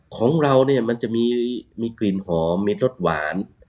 ของเรามันจะมีครีมหอมมีรสหวาน